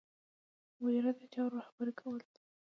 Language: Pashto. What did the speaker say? مدیریت د چارو رهبري کول دي.